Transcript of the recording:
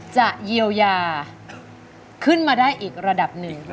จะเยียวยาขึ้นมาได้อีกระดับหนึ่ง